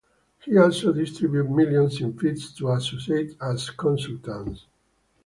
He also distributed millions in fees to associates as "consultants".